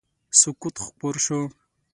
سکوت خپور شو.